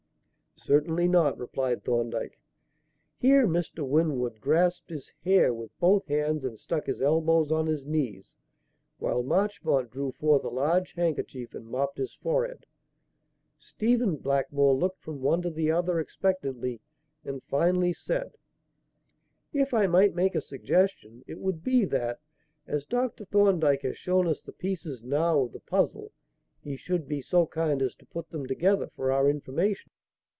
"Certainly not," replied Thorndyke. Here Mr. Winwood grasped his hair with both hands and stuck his elbows on his knees, while Marchmont drew forth a large handkerchief and mopped his forehead. Stephen Blackmore looked from one to the other expectantly, and finally said: "If I might make a suggestion, it would be that, as Dr. Thorndyke has shown us the pieces now of the puzzle, he should be so kind as to put them together for our information."